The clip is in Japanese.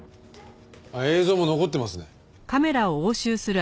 映像も残ってますね。